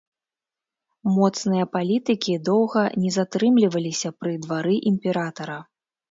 Моцныя палітыкі доўга не затрымліваліся пры двары імператара.